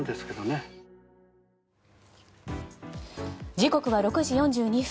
時刻は６時４２分。